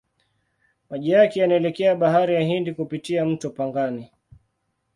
Maji yake yanaelekea Bahari ya Hindi kupitia mto Pangani.